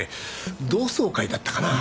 同窓会だったかな？